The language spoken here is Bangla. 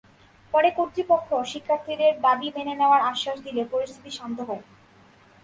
পরে কর্তৃপক্ষ শিক্ষার্থীদের দাবি মেনে নেওয়ার আশ্বাস দিলে পরিস্থিতি শান্ত হয়।